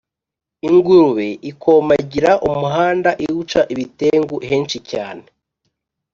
Ingurube igomagira umuhanda, Iwuca ibitengu henshi cyane,